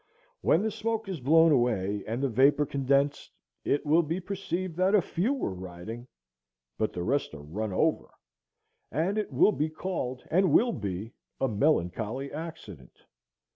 when the smoke is blown away and the vapor condensed, it will be perceived that a few are riding, but the rest are run over,—and it will be called, and will be, "A melancholy accident."